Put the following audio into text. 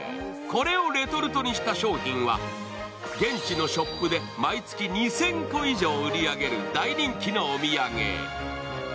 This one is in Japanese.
これをレトルトにした商品は、現地のショップで毎月２０００個以上売り上げる大人気のお土産。